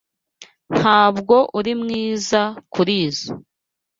Ntabwo uri mwiza kurizoi.